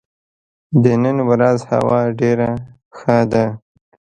د نن ورځ هوا ډېره ښه ده.